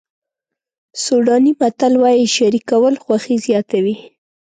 سوډاني متل وایي شریکول خوښي زیاتوي.